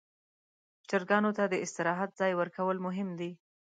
چرګانو ته د استراحت ځای ورکول مهم دي.